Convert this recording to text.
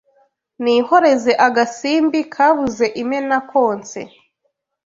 Nihoreze agasimbi Kabuze imena konse